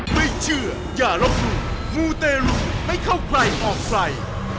ไม่เชื่ออย่าลบหลู่มูเตรุไม่เข้าใครออกใคร